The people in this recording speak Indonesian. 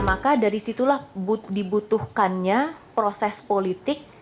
nah maka dari situlah dibutuhkannya prosesnya